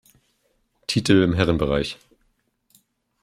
Titel im Herrenbereich.